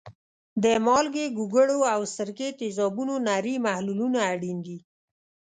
د مالګې، ګوګړو او سرکې تیزابونو نری محلولونه اړین دي.